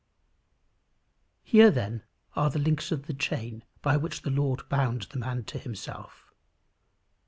Here, then, are the links of the chain by which the Lord bound the man to himself.